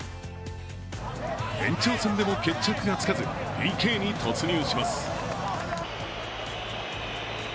延長戦でも決着がつかず、ＰＫに突入します。